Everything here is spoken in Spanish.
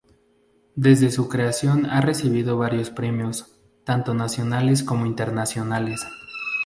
Desde su creación ha recibido varios premios, tanto nacionales como internacionales.